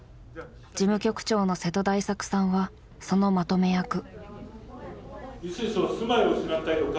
事務局長の瀬戸大作さんはそのまとめ役。